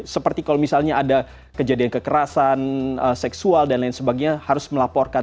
seperti kalau misalnya ada kejadian kekerasan seksual dan lain sebagainya harus melaporkan